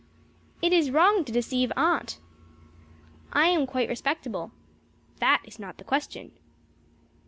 "It is wrong to deceive Aunt." "I am quite respectable." "That is not the question."